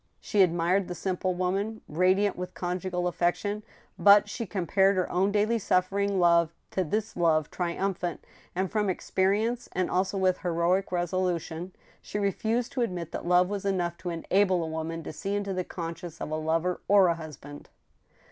She admired the simple woman, radi ant with conjugal affection, but she compared her own daily suffer ing love to this love triumphant, and, from experience, and also with heroic resolution, she refused to admit that love was enough to en able a woman to see into the conscience of a lover or a husband.